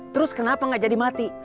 terus kenapa gak jadi mati